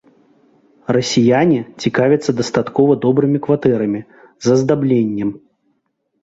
Расіяне цікавяцца дастаткова добрымі кватэрамі, з аздабленнем.